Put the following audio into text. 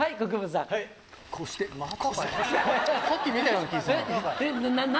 さっき見たような気ぃするな。